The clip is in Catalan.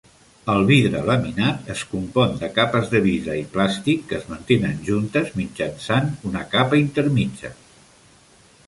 El vidre laminat es compon de capes de vidre i plàstic que es mantenen juntes mitjançant una capa intermèdia.